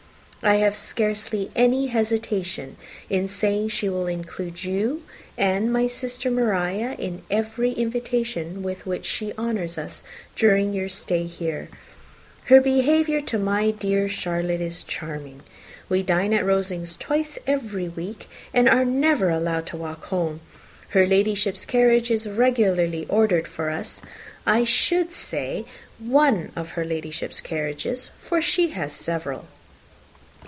I have scarcely any hesitation in saying that she will include you and my sister Maria in every invitation with which she honours us during your stay here. Her behaviour to my dear Charlotte is charming. We dine at Rosings twice every week, and are never allowed to walk home. Her Ladyship's carriage is regularly ordered for us. I should say, one of her Ladyship's carriages, for she has several."